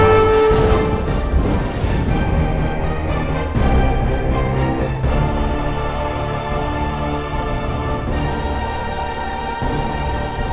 haruslah selendang itu aku kembalikan